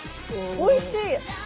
おいしい！